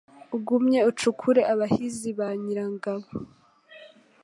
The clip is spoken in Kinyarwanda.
Ugumye ucukure abahizi ba Nyirangabo.